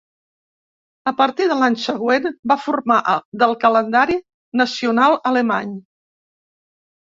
A partir de l'any següent va formar del calendari nacional alemany.